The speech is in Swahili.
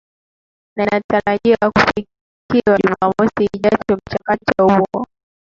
na inatarajiwa kufikiwa jumamosi ijayo mchakato huo